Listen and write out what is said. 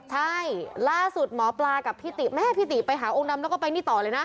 ใช่ล่าสุดหมอปลากับพี่ติแม่พี่ติไปหาองค์ดำแล้วก็ไปนี่ต่อเลยนะ